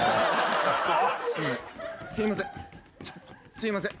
すいません。